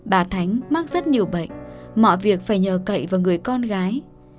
bà thánh mắc rất nhiều bệnh mọi việc phải nhờ cậy vào người con gái